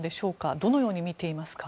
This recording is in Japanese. どのように見ていますか？